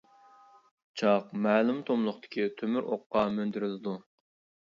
چاق مەلۇم توملۇقتىكى تۆمۈر ئوققا مىندۈرۈلىدۇ.